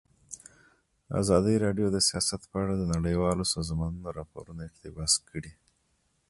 ازادي راډیو د سیاست په اړه د نړیوالو سازمانونو راپورونه اقتباس کړي.